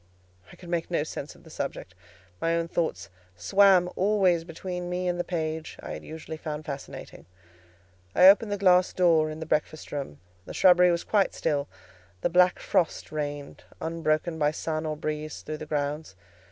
I could make no sense of the subject; my own thoughts swam always between me and the page I had usually found fascinating. I opened the glass door in the breakfast room: the shrubbery was quite still: the black frost reigned, unbroken by sun or breeze, through the grounds.